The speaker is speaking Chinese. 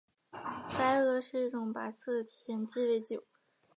白俄是一种白色的甜鸡尾酒。